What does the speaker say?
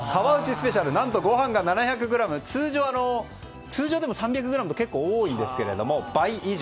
スペシャル何と、ごはんが７００ｇ通常でも３００ｇと結構多いんですけれども倍以上。